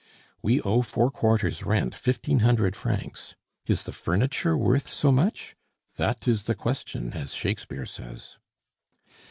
"We owe four quarters' rent, fifteen hundred francs. Is the furniture worth so much? That is the question, as Shakespeare says."